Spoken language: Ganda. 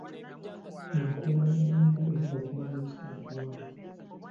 Enkuuma y'emiyembe okumala ekiseera ekiwanvu.